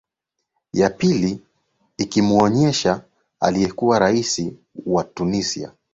ya pili ikimwonyesha aliyekuwa rais wa tunisia